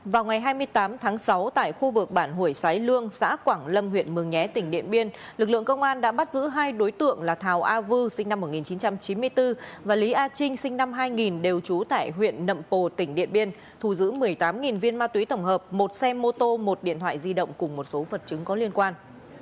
vào ngày hai mươi tám tháng sáu tại khu vực bản hủy sái lương xã quảng lâm huyện mường nhé tỉnh điện biên lực lượng công an đã bắt giữ hai đối tượng là thảo a vư sinh năm một nghìn chín trăm chín mươi bốn và lý a trinh sinh năm hai nghìn đều trú tại huyện nậm pồ tỉnh điện biên thù giữ một mươi tám viên ma túy tổng hợp một xe mô tô một điện thoại di động cùng một số vật chứng có liên quan